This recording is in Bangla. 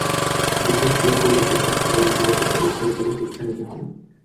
বিশেষ করে তৈরি পোশাক খাতের ইতিবাচক অভিজ্ঞতা থেকে শিক্ষা নিতে হবে।